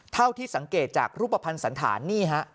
เท่าที่สังเกตจากรูปภัณฑ์สันธารนี่ฮะ